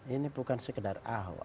ini bukan sekedar ahok